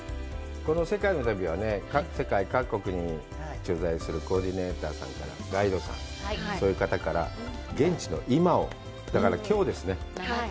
この世界の旅はね、世界各国に取材をするコーディネーターさんからガイドさん、そういう方から現地の今、だから、きょうですね。